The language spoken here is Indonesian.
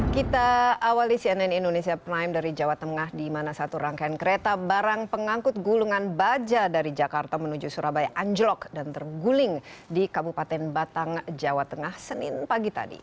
kita awali cnn indonesia prime dari jawa tengah di mana satu rangkaian kereta barang pengangkut gulungan baja dari jakarta menuju surabaya anjlok dan terguling di kabupaten batang jawa tengah senin pagi tadi